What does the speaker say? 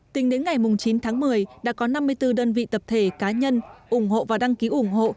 tính đến ngày chín tháng một mươi đã có năm mươi bốn đơn vị tập thể cá nhân ủng hộ và đăng ký ủng hộ